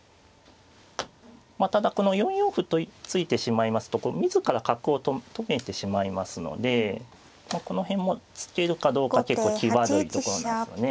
まあただこの４四歩と突いてしまいますと自ら角を止めてしまいますのでこの辺も突けるかどうか結構際どいところなんですよね。